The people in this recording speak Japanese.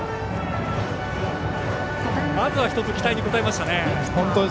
まずは１つ期待に応えました。